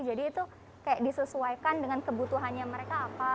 jadi itu kayak disesuaikan dengan kebutuhannya mereka apa